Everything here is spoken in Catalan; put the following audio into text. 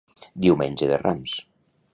Diumenge de Rams.